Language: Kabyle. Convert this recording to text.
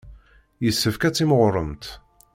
Yessefk ad timɣuremt.